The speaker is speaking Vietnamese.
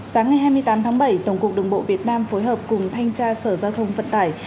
sáng ngày hai mươi tám tháng bảy tổng cục đường bộ việt nam phối hợp cùng thanh tra sở giao thông vận tải